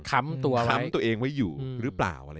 ค้ำตัวเองไว้อยู่หรือเปล่า